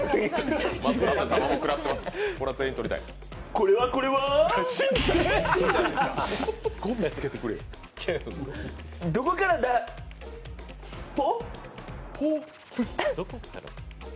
これはこれはぁ、どこからだ、っぽ。